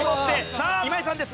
さあ今井さんです